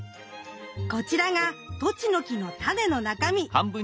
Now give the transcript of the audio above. こちらがトチノキのタネの中身。